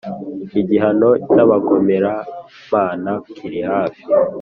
Igihano cy’abagomeramana kiri hafi